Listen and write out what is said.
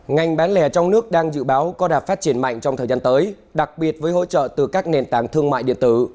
ngành bán lẻ trong nước đang dự báo có đạt phát triển mạnh trong thời gian tới đặc biệt với hỗ trợ từ các nền tảng thương mại điện tử